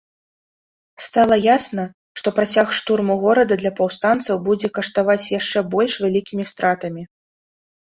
Стала ясна, што працяг штурму горада для паўстанцаў будзе каштаваць яшчэ больш вялікімі стратамі.